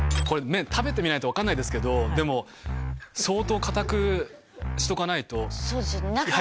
これ麺食べてみないと分かんないですけどでも相当硬くしとかないとそうですよね